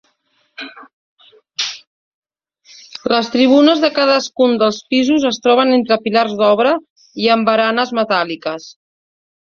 Les tribunes de cadascun dels pisos es troben entre pilars d'obra i amb baranes metàl·liques.